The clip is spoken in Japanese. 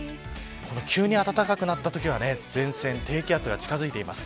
急に暖かくなったときは前線、低気圧が近づいています。